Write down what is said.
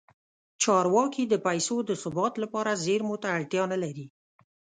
چارواکي د پیسو د ثبات لپاره زیرمو ته اړتیا نه لري.